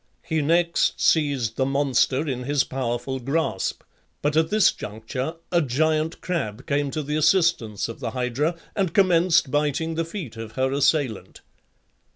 He next seized the monster in his powerful grasp; but at this juncture a giant crab came to the assistance of the Hydra and commenced biting the feet of her assailant.